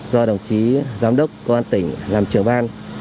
do đồng chí giám đốc công an tỉnh làm trưởng ban